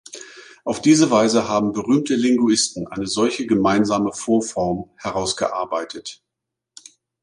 Auf diese Weise haben berühmte Linguisten eine solche gemeinsame Vorform herausgearbeitet.